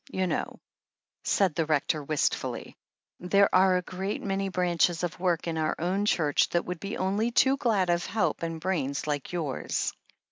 You know," said the Rector wist fully, "there are a great many branches of work in our own Church that would be only too glad of help and brains like yours.